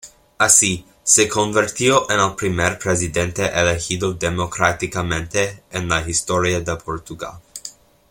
Así, se convirtió en el primer presidente elegido democráticamente en la historia de Portugal.